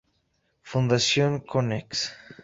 Fundación Konex.